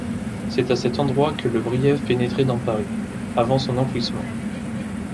C'est à cet endroit que la Bièvre pénétrait dans Paris, avant son enfouissement.